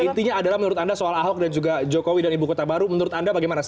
intinya adalah menurut anda soal ahok dan juga jokowi dan ibu kota baru menurut anda bagaimana sih